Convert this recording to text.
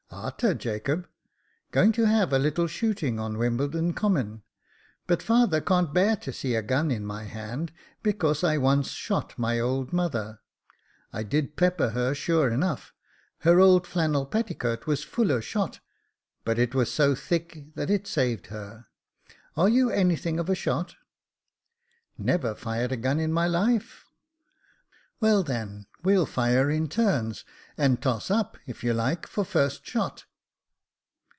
" A'ter, Jacob, going to have a little shooting on Wimbledon Common ; but father can't bear to see a gun in my hand, because I once shot my old mother. I did pepper her, sure enough ; her old flannel petticoat was full of shot, but it was so thick that it saved her. Are you anything of a shot ?"•< Never fired a gun in my life. 170 Jacob Faithful " "Well, then, we'll fire in turns, and toss up, if you like, for first shot."